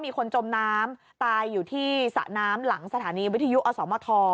มีคนจมน้ำตายอยู่ที่สระน้ำหลังสถานีวิทยุอสมท